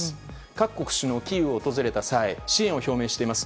各国首脳はキーウを訪れた際支援を表明しています。